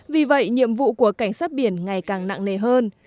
vì vậy nhiệm vụ của cảnh sát biển ngày càng nặng nề hơn